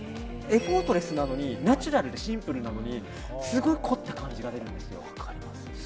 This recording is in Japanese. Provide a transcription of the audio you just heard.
エフォートレスなのにナチュラルでシンプルなのにすごい凝った感じが出るんですよ。